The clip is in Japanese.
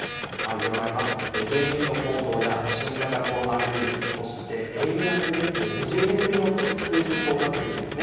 原油の高騰や新型コロナウイルスそして円安ですね２０年ぶりの水準となっているんです。